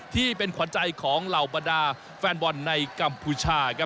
ที่เป็นขวัญใจของเหล่าบรรดาแฟนบอลในกัมพูชาครับ